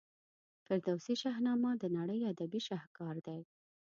فردوسي شاهنامه د نړۍ ادبي شهکار دی.